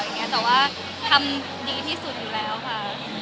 แต่ว่าทำดีที่สุดอยู่แล้วค่ะ